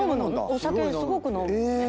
お酒すごく飲むのね。